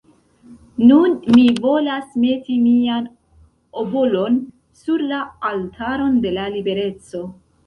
Nun mi volas meti mian obolon sur la altaron de la libereco.